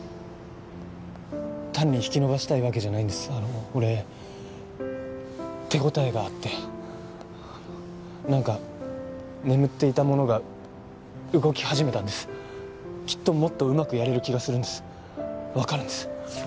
単に引き延ばしたいわけじゃないんですあの俺手応えがあってあの何か眠っていたものが動き始めたんですきっともっとうまくやれる気がするんです分かるんです